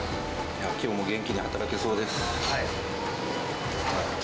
きょうも元気に働けそうです。